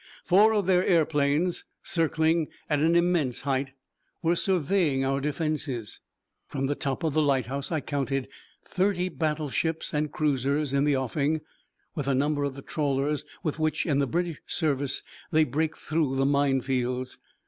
Four of their aeroplanes, circling at an immense height, were surveying our defences. From the top of the lighthouse I counted thirty battleships and cruisers in the offing, with a number of the trawlers with which in the British service they break through the mine fields.